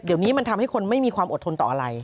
เดี๋ยวนี้มันทำให้คนไม่มีความอดทนต่ออะไร